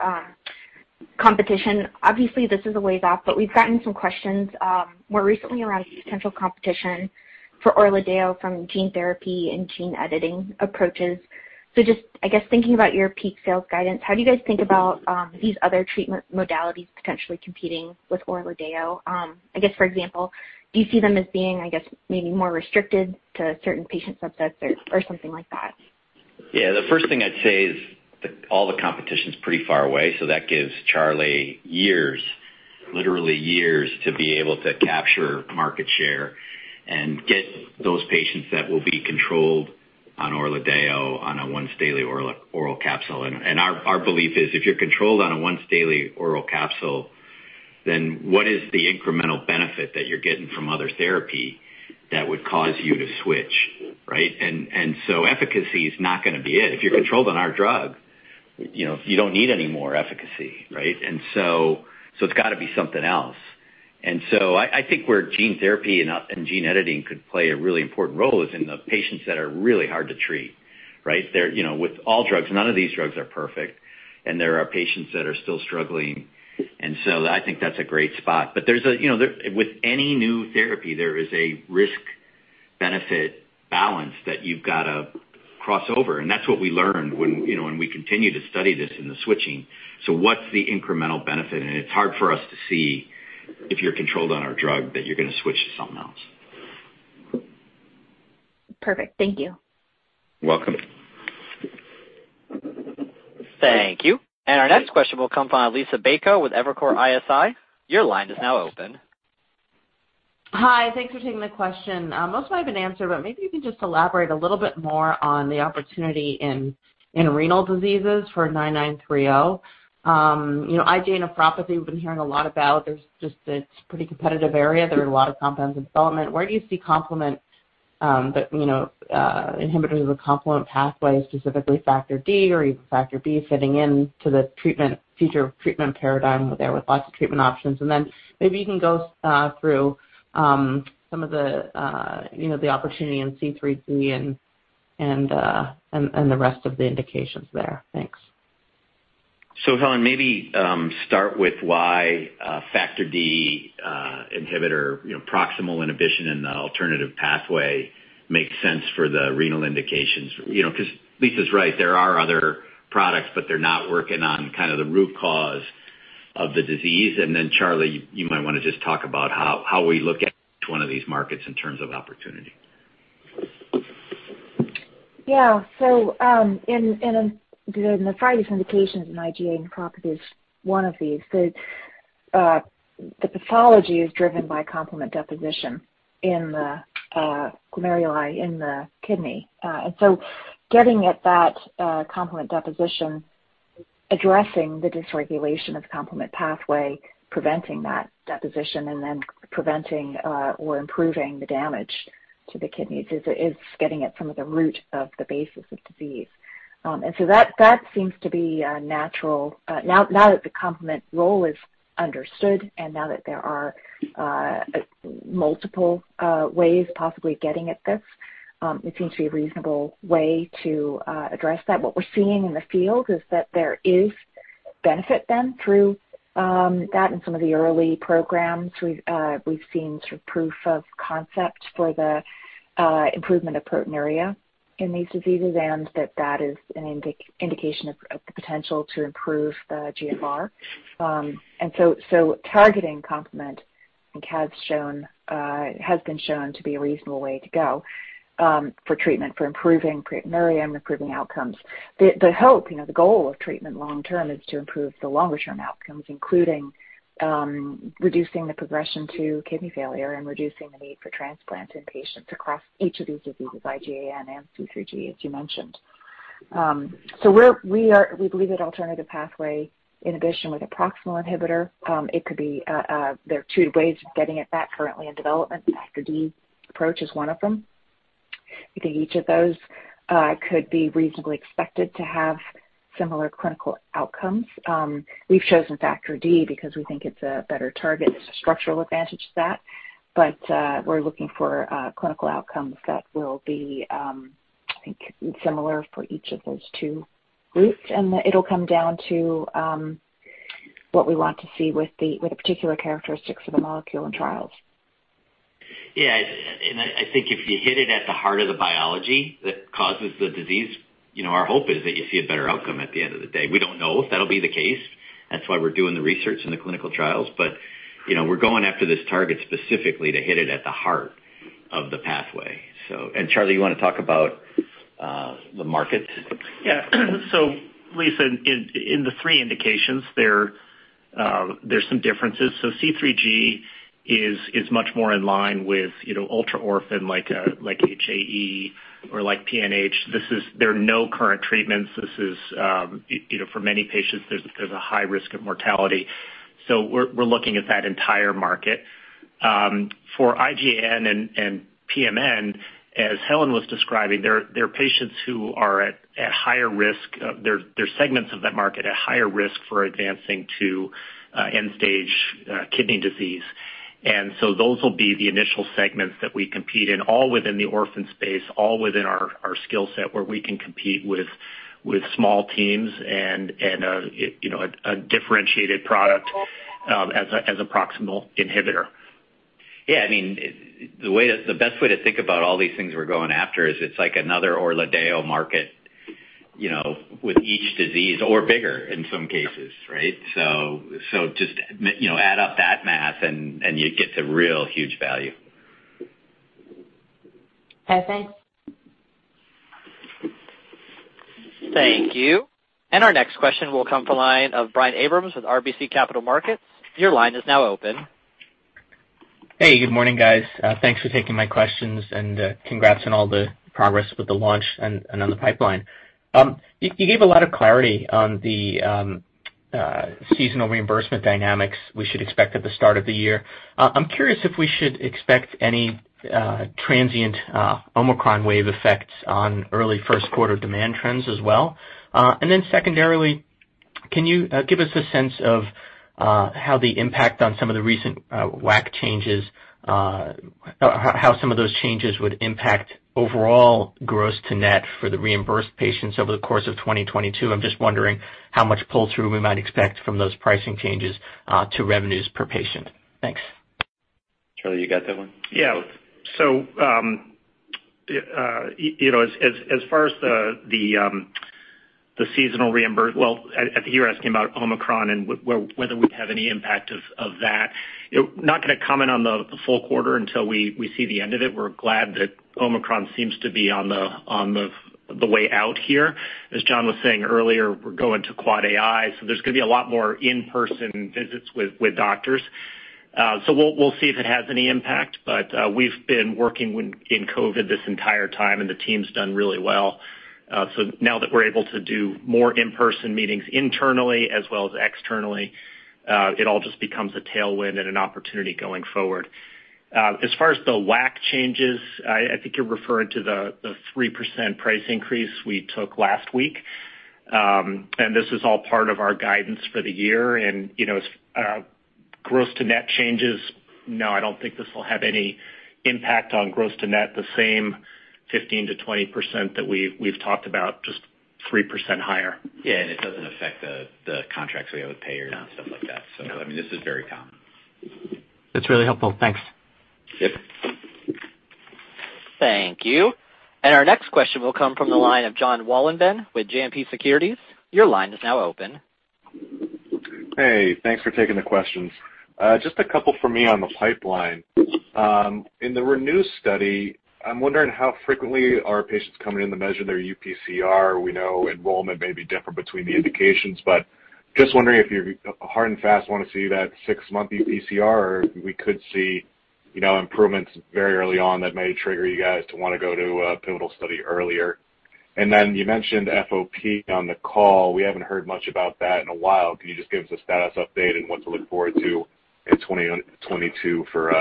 competition. Obviously, this is a ways off, but we've gotten some questions, more recently around potential competition for ORLADEYO from gene therapy and gene editing approaches. Just, I guess, thinking about your peak sales guidance, how do you guys think about these other treatment modalities potentially competing with ORLADEYO? I guess, for example, do you see them as being, I guess, maybe more restricted to certain patient subsets or something like that? Yeah. The first thing I'd say is all the competition's pretty far away, so that gives Charlie years, literally years, to be able to capture market share and get those patients that will be controlled on ORLADEYO on a once daily oral capsule. Our belief is if you're controlled on a once daily oral capsule, then what is the incremental benefit that you're getting from other therapy that would cause you to switch, right? So efficacy is not gonna be it. If you're controlled on our drug, you know, you don't need any more efficacy, right? It's gotta be something else. I think where gene therapy and gene editing could play a really important role is in the patients that are really hard to treat, right? They're, you know, with all drugs, none of these drugs are perfect, and there are patients that are still struggling. I think that's a great spot. There's a, you know, with any new therapy, there is a risk-benefit balance that you've gotta cross over, and that's what we learned when, you know, we continue to study this in the switching. What's the incremental benefit? It's hard for us to see if you're controlled on our drug that you're gonna switch to something else. Perfect. Thank you. Welcome. Thank you. Our next question will come from Liisa Bayko with Evercore ISI. Your line is now open. Hi. Thanks for taking the question. Most of it has been answered, but maybe you can just elaborate a little bit more on the opportunity in renal diseases for 9930. You know, IgA nephropathy, we've been hearing a lot about. It's a pretty competitive area. There are a lot of compounds in development. Where do you see complement inhibitors of the complement pathway, specifically Factor D or even Factor B, fitting in to the future treatment paradigm there with lots of treatment options? Maybe you can go through some of the, you know, the opportunity in C3G and the rest of the indications there. Thanks. If I maybe start with why Factor D inhibitor, you know, proximal inhibition in the alternative pathway makes sense for the renal indications. You know, 'cause Lisa's right, there are other products, but they're not working on kind of the root cause of the disease. Charlie, you might wanna just talk about how we look at each one of these markets in terms of opportunity. In the primary indications in IgA nephropathy is one of these. The pathology is driven by complement deposition in the glomeruli in the kidney. Getting at that complement deposition, addressing the dysregulation of the complement pathway, preventing that deposition, and then preventing or improving the damage to the kidneys is getting at some of the root of the basis of disease. That seems to be natural. Now that the complement role is understood and now that there are multiple ways possibly getting at this, it seems to be a reasonable way to address that. What we're seeing in the field is that there is benefit then through that in some of the early programs. We've seen sort of proof of concept for the improvement of proteinuria in these diseases, and that is an indication of the potential to improve the GFR. Targeting complement I think has been shown to be a reasonable way to go for treatment, for improving proteinuria and improving outcomes. The hope, you know, the goal of treatment long term is to improve the longer term outcomes, including reducing the progression to kidney failure and reducing the need for transplant in patients across each of these diseases, IgA and C3G, as you mentioned. We believe that alternative pathway, in addition with a proximal inhibitor, it could be there are two ways of getting at that currently in development. Factor D approach is one of them. We think each of those could be reasonably expected to have similar clinical outcomes. We've chosen Factor D because we think it's a better target. There's a structural advantage to that. We're looking for clinical outcomes that will be, I think, similar for each of those two groups. It'll come down to what we want to see with the particular characteristics of the molecule in trials. Yeah. I think if you hit it at the heart of the biology that causes the disease, you know, our hope is that you see a better outcome at the end of the day. We don't know if that'll be the case. That's why we're doing the research and the clinical trials. You know, we're going after this target specifically to hit it at the heart of the pathway, so. Charlie, you wanna talk about the market? Yeah. Lisa, in the three indications there's some differences. C3G is much more in line with, you know, ultra-orphan like HAE or like PNH. There are no current treatments. This is, you know, for many patients, there's a high risk of mortality. We're looking at that entire market. For IgAN and pMN, as Helen was describing, they're patients who are at higher risk. They're segments of that market at higher risk for advancing to end-stage kidney disease. Those will be the initial segments that we compete in, all within the orphan space, all within our skill set, where we can compete with small teams and, you know, a differentiated product, as a proximal inhibitor. Yeah, I mean, the best way to think about all these things we're going after is it's like another ORLADEYO market, you know, with each disease or bigger in some cases, right? Just, you know, add up that math and you get to real huge value. Okay, thanks. Thank you. Our next question will come from the line of Brian Abrahams with RBC Capital Markets. Your line is now open. Hey, good morning, guys. Thanks for taking my questions, and congrats on all the progress with the launch and on the pipeline. You gave a lot of clarity on the seasonal reimbursement dynamics we should expect at the start of the year. I'm curious if we should expect any transient Omicron wave effects on early Q1 demand trends as well. Secondarily, can you give us a sense of how some of the recent WAC changes would impact overall gross to net for the reimbursed patients over the course of 2022? I'm just wondering how much pull-through we might expect from those pricing changes to revenues per patient. Thanks. Charlie, you got that one? Yeah. You know, as far as the seasonaI reimburse, well you're asking about Omicron and whether we have any impact of that. Not gonna comment on the full quarter until we see the end of it. We're glad that Omicron seems to be on the way out here. As Jon was saying earlier, we're going to Q4, so there's gonna be a lot more in-person visits with doctors. We'll see if it has any impact. We've been working in COVID this entire time, and the team's done really well. Now that we're able to do more in-person meetings internally as well as externally, it all just becomes a tailwind and an opportunity going forward. As far as the WAC changes, I think you're referring to the 3% price increase we took last week. This is all part of our guidance for the year. You know, gross to net changes, no, I don't think this will have any impact on gross to net. The same 15%-20% that we've talked about, just 3% higher. Yeah, it doesn't affect the contracts we have with payers and stuff like that. No. I mean, this is very common. That's really helpful. Thanks. Yep. Thank you. Our next question will come from the line of Jon Wolleben with JMP Securities. Your line is now open. Hey. Thanks for taking the questions. Just a couple for me on the pipeline. In the RENEW study, I'm wondering how frequently are patients coming in to measure their UPCR. We know enrollment may be different between the indications, but just wondering if you're hard and fast wanna see that six-month UPCR, or we could see, you know, improvements very early on that may trigger you guys to wanna go to a pivotal study earlier. Then you mentioned FOP on the call. We haven't heard much about that in a while. Can you just give us a status update and what to look forward to in 2022 for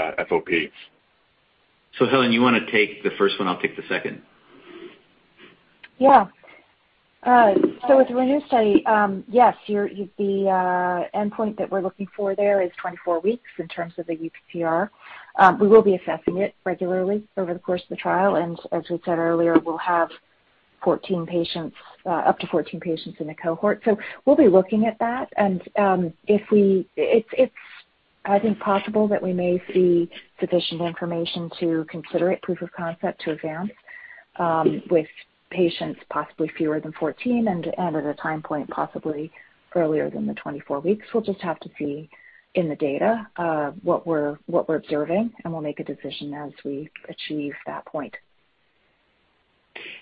FOP? Helen, you wanna take the first one? I'll take the second. Yeah. So with the RENEW study, yes, the endpoint that we're looking for there is 24 weeks in terms of the UPCR. We will be assessing it regularly over the course of the trial. As we said earlier, we'll have 14 patients, up to 14 patients in the cohort. We'll be looking at that. It's I think possible that we may see sufficient information to consider it proof of concept to advance with patients possibly fewer than 14 and at a time point possibly earlier than the 24 weeks. We'll just have to see in the data what we're observing, and we'll make a decision as we achieve that point.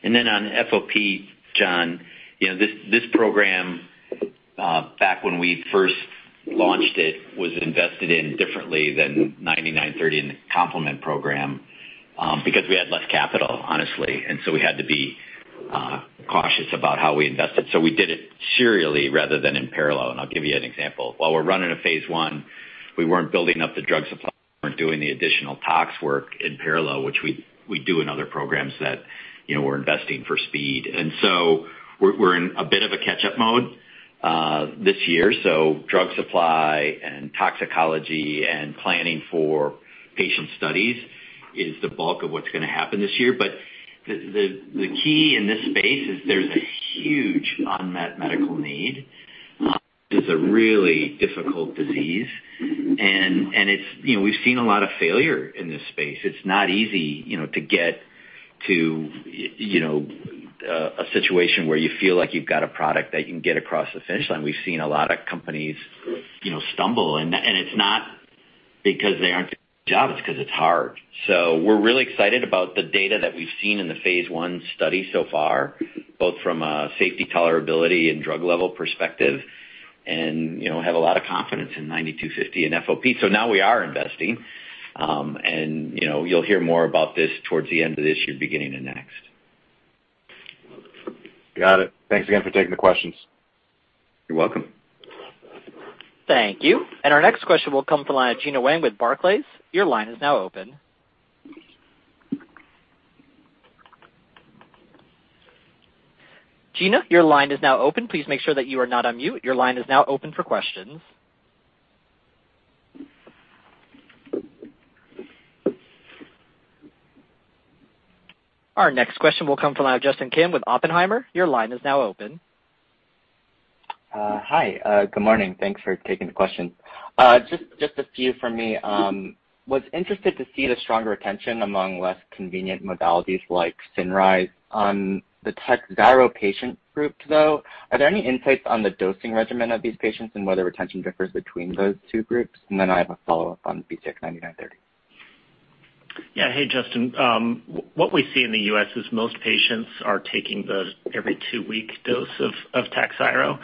Then on FOP, Jon, you know, this program, back when we first launched it, was invested in differently than BCX9930 in the complement program, because we had less capital, honestly, and we had to be cautious about how we invested. We did it serially rather than in parallel, and I'll give you an example. While we're running a phase I, we weren't building up the drug supply, we weren't doing the additional tox work in parallel, which we do in other programs that, you know, we're investing for speed. We're in a bit of a catch-up mode this year. Drug supply and toxicology and planning for patient studies is the bulk of what's gonna happen this year. The key in this space is there's a huge unmet medical need. It's a really difficult disease. You know, we've seen a lot of failure in this space. It's not easy, you know, to get to, you know, a situation where you feel like you've got a product that you can get across the finish line. We've seen a lot of companies, you know, stumble, and it's not because they aren't doing a good job, it's 'cause it's hard. We're really excited about the data that we've seen in the phase I study so far, both from a safety tolerability and drug level perspective, and you know, have a lot of confidence in 9250 and FOP. Now we are investing, and you know, you'll hear more about this towards the end of this year, beginning of next. Got it. Thanks again for taking the questions. You're welcome. Thank you. Our next question will come from the line of Gena Wang with Barclays. Your line is now open. Gena, your line is now open. Please make sure that you are not on mute. Your line is now open for questions. Our next question will come from Justin Kim with Oppenheimer. Your line is now open. Hi. Good morning. Thanks for taking the question. Just a few from me. I was interested to see the stronger retention among less convenient modalities like Cinryze. On the Takhzyro patient group, though, are there any insights on the dosing regimen of these patients and whether retention differs between those two groups? I have a follow-up on BCX9930. Hey, Justin. What we see in the U.S. is most patients are taking the every two-week dose of Takhzyro.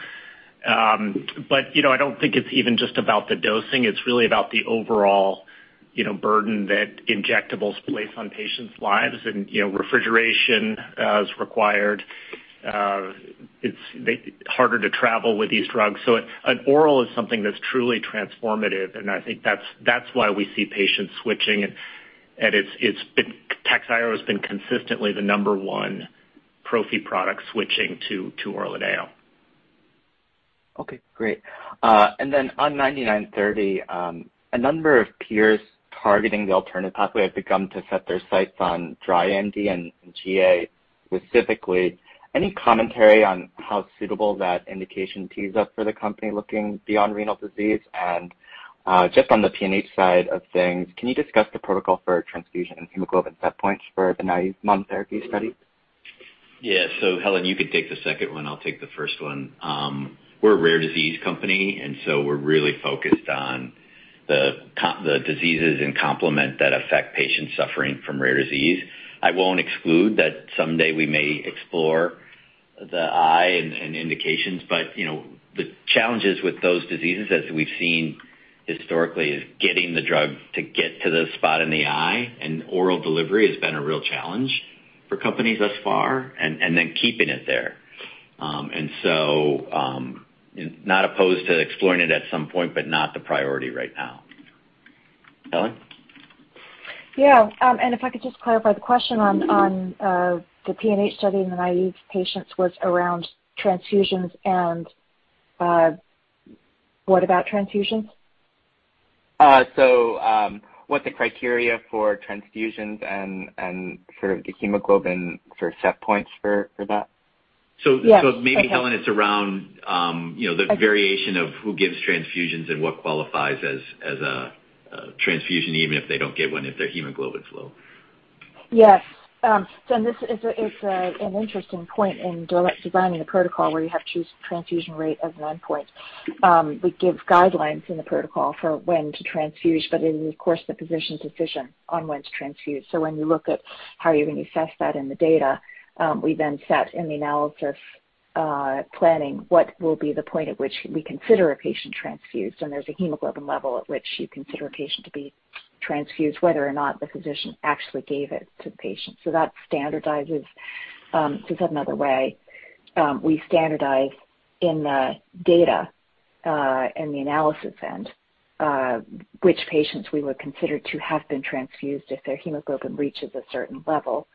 But, you know, I don't think it's even just about the dosing, it's really about the overall, you know, burden that injectables place on patients' lives and, you know, refrigeration is required. It's harder to travel with these drugs. An oral is something that's truly transformative, and I think that's why we see patients switching and it's been Takhzyro has been consistently the number one prophy product switching to ORLADEYO. Okay, great. On BCX9930, a number of peers targeting the alternative pathway have begun to set their sights on dry AMD and GA. Specifically, any commentary on how suitable that indication tees up for the company looking beyond renal disease? Just on the PNH side of things, can you discuss the protocol for transfusion and hemoglobin setpoints for the naive monotherapy study? Helen, you can take the second one. I'll take the first one. We're a rare disease company, and we're really focused on the diseases in complement that affect patients suffering from rare disease. I won't exclude that someday we may explore the eye and kidney indications, but you know, the challenges with those diseases, as we've seen historically, is getting the drug to the spot in the eye, and oral delivery has been a real challenge for companies thus far, and then keeping it there. Not opposed to exploring it at some point, but not the priority right now. Helen. Yeah. If I could just clarify the question on the PNH study in the naive patients was around transfusions and what about transfusions? What's the criteria for transfusions and sort of the hemoglobin for set points for that? Yes. Maybe Helen, it's around, you know, the variation of who gives transfusions and what qualifies as a transfusion, even if they don't get one, if their hemoglobin's low. Yes. This is an interesting point during designing the protocol where you have to choose transfusion rate as an endpoint. We give guidelines in the protocol for when to transfuse, but it is of course the physician's decision on when to transfuse. When you look at how you're gonna assess that in the data, we then set in the analysis planning what will be the point at which we consider a patient transfused. There's a hemoglobin level at which you consider a patient to be transfused, whether or not the physician actually gave it to the patient. That standardizes. To put it another way, we standardize in the data in the analysis plan, which patients we would consider to have been transfused if their hemoglobin reaches a certain level.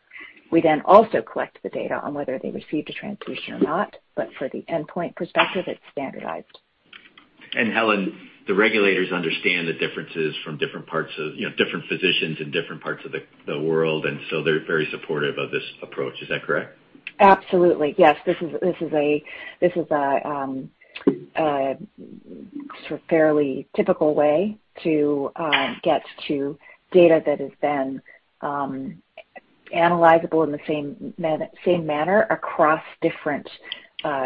We then also collect the data on whether they received a transfusion or not, but for the endpoint perspective, it's standardized. Helen, the regulators understand the differences from different parts of, you know, different physicians in different parts of the world, and so they're very supportive of this approach. Is that correct? Absolutely. Yes. This is a sort of fairly typical way to get to data that has been analyzable in the same manner across different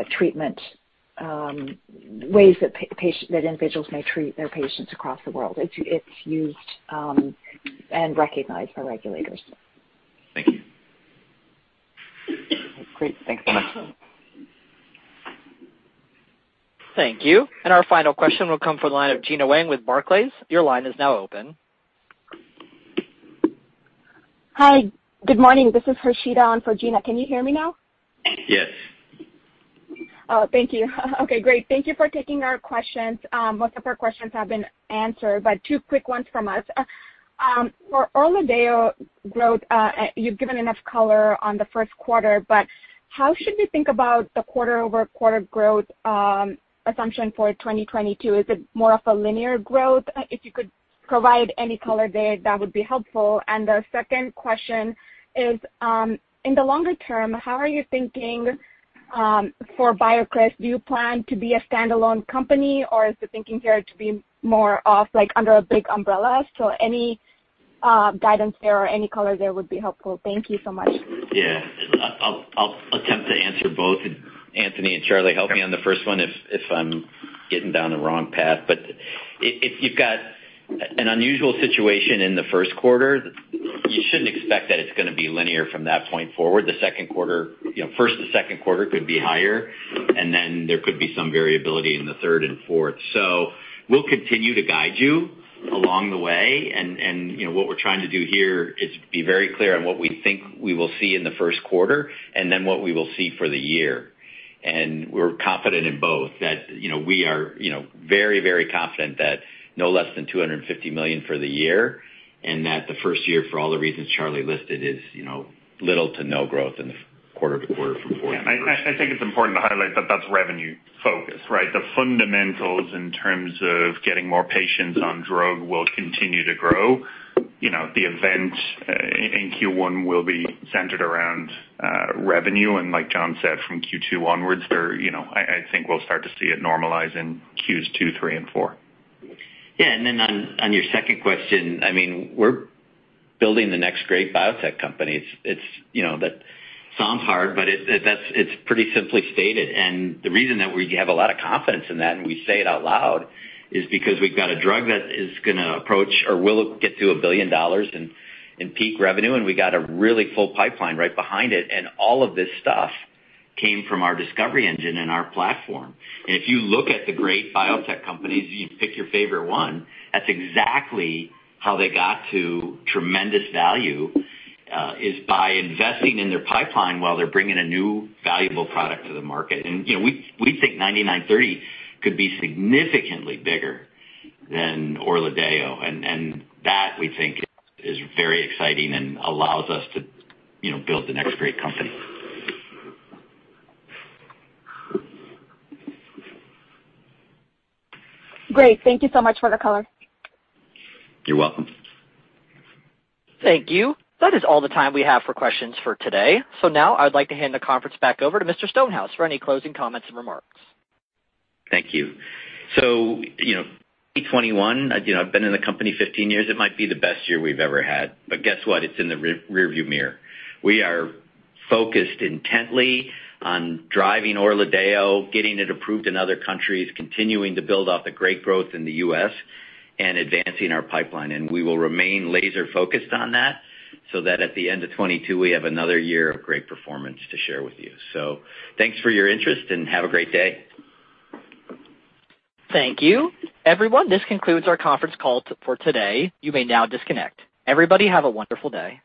treatment ways that individuals may treat their patients across the world. It's used and recognized by regulators. Thank you. Great. Thanks so much. Thank you. Our final question will come from the line of Gena Wang with Barclays. Your line is now open. Hi. Good morning. This is Rashida on for Gena. Can you hear me now? Yes. Oh, thank you. Okay, great. Thank you for taking our questions. Most of our questions have been answered, but two quick ones from us. For ORLADEYO growth, you've given enough color on the Q1, but how should we think about the quarter-over-quarter growth assumption for 2022? Is it more of a linear growth? If you could provide any color there, that would be helpful. The second question is, in the longer term, how are you thinking for BioCryst? Do you plan to be a standalone company, or is the thinking here to be more of like under a big umbrella? Any guidance there or any color there would be helpful. Thank you so much. Yeah. I'll attempt to answer both. Anthony and Charlie, help me on the first one if I'm getting down the wrong path. If you've got an unusual situation in the Q1, you shouldn't expect that it's gonna be linear from that point forward. The Q2, you know, Q1 to Q2 could be higher, and then there could be some variability in the third and fourth. We'll continue to guide you along the way and, you know, what we're trying to do here is be very clear on what we think we will see in the Q1 and then what we will see for the year. We're confident in both that, you know, we are, you know, very, very confident that no less than $250 million for the year and that the first year, for all the reasons Charlie listed, is, you know, little to no growth quarter-to-quarter from fourth to first. I think it's important to highlight that that's revenue focus, right? The fundamentals in terms of getting more patients on drug will continue to grow. You know, the event in Q1 will be centered around revenue. Like Jon said, from Q2 onwards, you know, I think we'll start to see it normalize in Q2, Q3 and Q4. On your second question, I mean, we're building the next great biotech company. It's you know that sounds hard, but that's pretty simply stated. The reason that we have a lot of confidence in that, and we say it out loud, is because we've got a drug that is gonna approach or will get to $1 billion in peak revenue, and we got a really full pipeline right behind it. All of this stuff came from our discovery engine and our platform. If you look at the great biotech companies, you pick your favorite one, that's exactly how they got to tremendous value is by investing in their pipeline while they're bringing a new valuable product to the market. You know, we think BCX9930 could be significantly bigger than ORLADEYO, and that we think is very exciting and allows us to, you know, build the next great company. Great. Thank you so much for the color. You're welcome. Thank you. That is all the time we have for questions for today. Now I'd like to hand the conference back over to Mr. Stonehouse for any closing comments and remarks. Thank you. You know, 2021, you know, I've been in the company 15 years, it might be the best year we've ever had. Guess what? It's in the rear view mirror. We are focused intently on driving ORLADEYO, getting it approved in other countries, continuing to build off the great growth in the U.S., and advancing our pipeline. We will remain laser focused on that, so that at the end of 2022 we have another year of great performance to share with you. Thanks for your interest and have a great day. Thank you. Everyone, this concludes our conference call for today. You may now disconnect. Everybody, have a wonderful day.